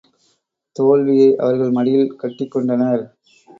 தோல்வியை அவர்கள் மடியில் கட்டிக் கொண்டனர்.